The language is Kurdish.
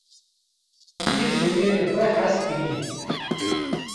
Pir ji mêrê xwe hez kiriye.